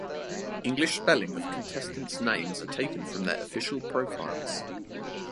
English spelling of contestants names are taken from their official profiles.